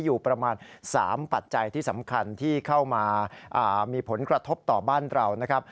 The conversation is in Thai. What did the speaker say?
อยู่ประมาณ๓ปัจจัยที่สำคัญที่เข้ามามีผลกระทบต่อบ้านเรานะครับ